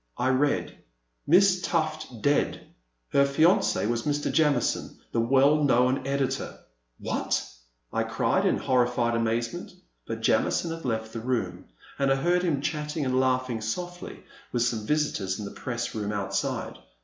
I read :'* Miss Tufil Dead ! Her Fianc6 was Mr. Jamison, the well known Editor." '* What !" I cried in horrified amazement. But Jamison had left the room, and I heard him chat ting and laughing softly with some visitors in the press room outside.